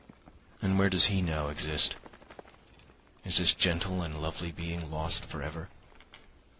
] And where does he now exist? Is this gentle and lovely being lost for ever?